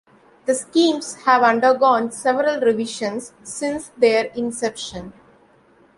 The schemes have undergone several revisions since their inception.